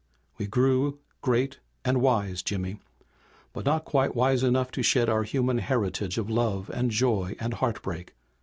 "We grew great and wise, Jimmy, but not quite wise enough to shed our human heritage of love and joy and heartbreak.